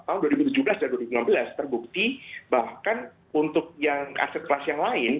tahun dua ribu tujuh belas dan dua ribu lima belas terbukti bahkan untuk yang aset kelas yang lain